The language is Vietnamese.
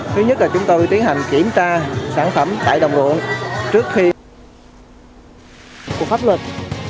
thứ nhất là chúng tôi tiến hành kiểm tra sản phẩm tại đồng nguồn trước khi cuộc pháp luật